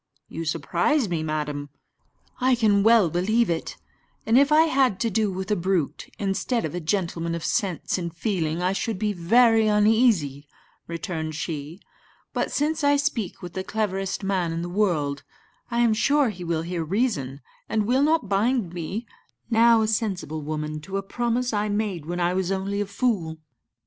"You surprise me, madam." "I can well believe it; and if I had to do with a brute, instead of a gentleman of sense and feeling, I should be very uneasy," returned she; "but since I speak with the cleverest man in the world, I am sure he will hear reason, and will not bind me, now a sensible woman, to a promise I made when I was only a fool."